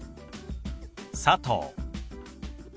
「佐藤」。